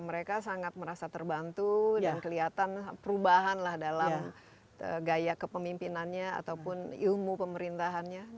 mereka sangat merasa terbantu dan kelihatan perubahan lah dalam gaya kepemimpinannya ataupun ilmu pemerintahannya